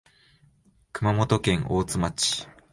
熊本県大津町